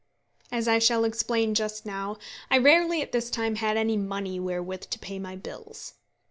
As I shall explain just now, I rarely at this time had any money wherewith to pay my bills.